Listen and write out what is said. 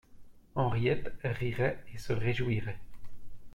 Henriette rirait et se réjouirait.